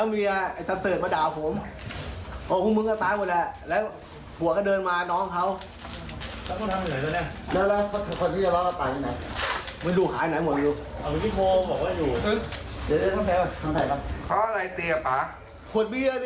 เมียตีเพราะอะไรครับ